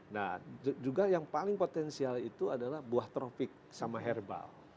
nah juga yang paling potensial itu adalah buah trofik sama herbal